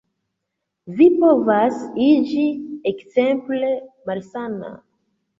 Vi povas iĝi ekzemple malsana.